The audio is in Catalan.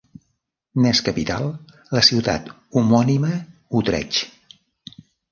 N'és capital la ciutat homònima, Utrecht.